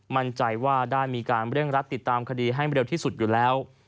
มั่นใจว่าได้มีการเร่งรัดติดตามคดีให้เร็วที่สุดอยู่แล้ว